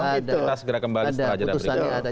kita segera kembali setelah jadwal berikut